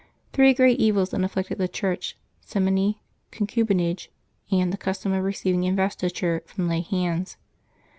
Three great evils then afflicted the Church: simony, concubinage, and the custom of receiving investiture from lay hands.